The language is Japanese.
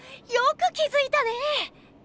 よく気づいたね。